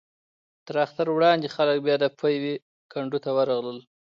تر اختر وړاندې خلک بیا د پېوې کنډو ته ورغلل.